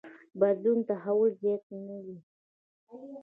بدلون تحول زیات نه وي.